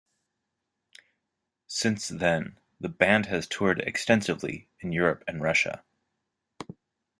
Since then the band has toured extensively in Europe and Russia.